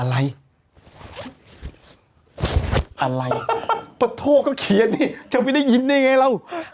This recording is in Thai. อะไรอะไรปะโทก็เขียนดิจะไม่ได้ยินได้ไงเรา